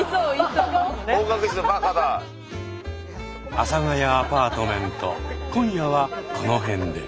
「阿佐ヶ谷アパートメント」今夜はこの辺で。